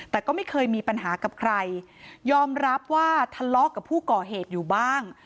แต่ก็ไม่เคยมีปัญหากับใครยอมรับว่าทะเลาะกับผู้ก่อเหตุอยู่บ้าง